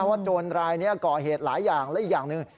โจรรายนี้ก่อเหตุหลายอย่างและอีกอย่างหนึ่ง